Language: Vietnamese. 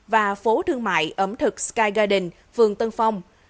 và phố thương mại ẩm thực sky garden phường tân phong